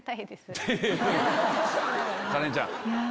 カレンちゃん。